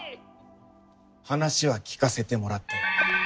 話は聞かせてもらったよ。